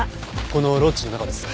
このロッジの中です。